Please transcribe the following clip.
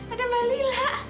ada mbak lila